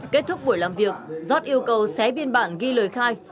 kết thúc buổi làm việc giót yêu cầu xé biên bản ghi lời khai